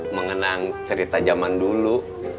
mengenang cerita zaman dulu